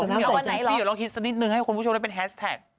พี่เหว่าลองคิดสักนิดหนึ่งให้คนผู้ชมได้เป็นแฮสแท็ก